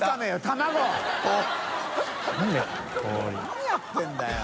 何やってんだよ。